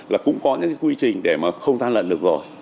là cũng có những cái quy trình để mà không gian lận được rồi